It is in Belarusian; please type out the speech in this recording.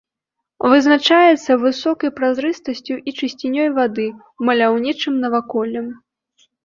Вызначаецца высокай празрыстасцю і чысцінёй вады, маляўнічым наваколлем.